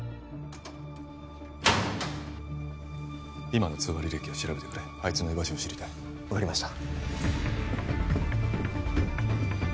今の通話履歴を調べてくれあいつの居場所を知りたい分かりました